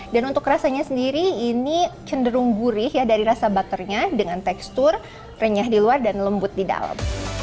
dan untuk rasanya sendiri ini cenderung gurih dari rasa butternya dengan tekstur renyah di luar dan lembut di dalam